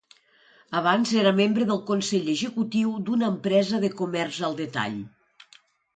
Abans era membre del Consell Executiu d'una empresa de comerç al detall.